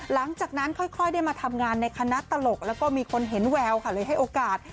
หลังจากนั้นค่อยได้มาทำงานในคณะตลกแล้วก็มีคนเห็นแววค่ะเลยให้โอกาส